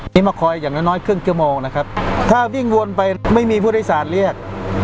มาคอยอย่างน้อยน้อยครึ่งชั่วโมงนะครับถ้าวิ่งวนไปไม่มีผู้โดยสารเรียก